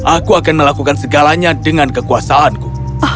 aku akan melakukan segalanya dengan kekuasaanku